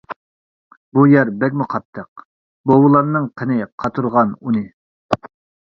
بۇ يەر بەكمۇ قاتتىق، بوۋىلارنىڭ قېنى قاتۇرغان ئۇنى.